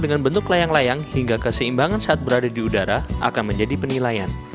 dengan bentuk layang layang hingga keseimbangan saat berada di udara akan menjadi penilaian